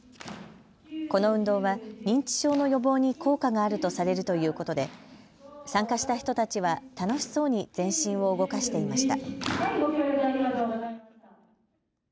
この運動は認知症の予防に効果があるとされるということで参加した人たちは楽しそうに全身を動かしていました。